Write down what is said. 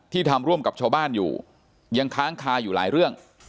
ทำร่วมกับชาวบ้านอยู่ยังค้างคาอยู่หลายเรื่อง